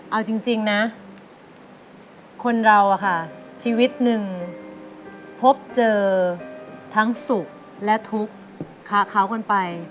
เอาจริงนะคนเราอะค่ะชีวิตหนึ่งพบเจอทั้งสุขและทุกข์ค้าเขากันไป